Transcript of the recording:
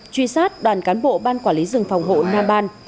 bắt đoàn cán bộ ban quản lý rừng phòng hộ nam ban